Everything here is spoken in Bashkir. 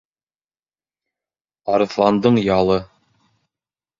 Арыҫландың ялы